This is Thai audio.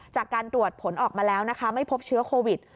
จากการตรวจผลออกมาแล้วนะคะไม่พบเชื้อโควิด